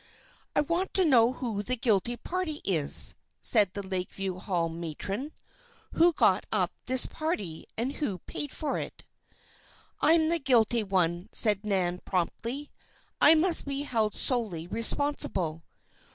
"I want to know who the guilty party is," said the Lakeview Hall matron. "Who got up this party, and who paid for it?" "I'm the guilty one," said Nan, promptly. "I must be held solely responsible."